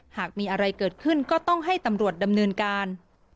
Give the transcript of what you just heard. หากมีอะไรเกิดขึ้นก็ต้องให้ตำรวจดำเนินการ